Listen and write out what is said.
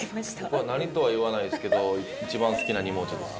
僕は何とは言わないですけど一番好きな２文字です。